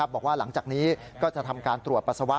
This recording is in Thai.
บอกว่าหลังจากนี้ก็จะทำการตรวจปัสสาวะ